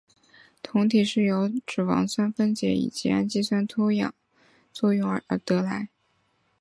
酮体是由脂肪酸分解以及氨基酸脱氨作用而得来。